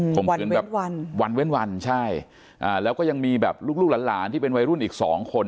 มขืนแบบวันเว้นวันใช่แล้วก็ยังมีแบบลูกลูกหลานที่เป็นวัยรุ่นอีกสองคน